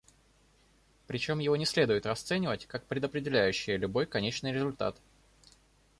Причем его не следует расценивать как предопределяющее любой конечный результат.